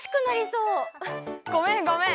ごめんごめん！